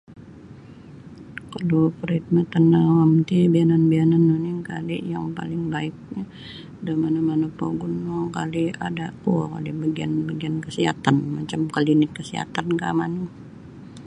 Koduo perkhidmatan awam ti biyanan-biyanan oni angkali yang paling baiknyo da mana-mana pogun no kali ada kuo kali bagian-bagian kesihatan macam kalinik kasihatankah manu.